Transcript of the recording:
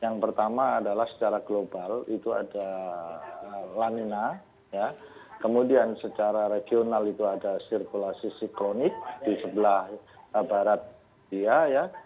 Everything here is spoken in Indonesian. yang pertama adalah secara global itu ada lanina kemudian secara regional itu ada sirkulasi siklonik di sebelah barat dia ya